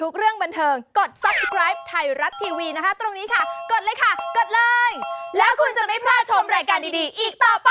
คือออกมาก็ไม่ได้มีผลดี